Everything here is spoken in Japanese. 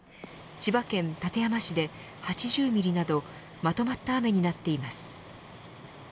千葉県館山市で８０ミリなどまとまった雨になっています。